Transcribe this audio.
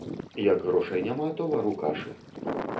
Як грошай няма, то вару кашы.